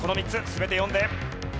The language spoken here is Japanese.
全て読んで。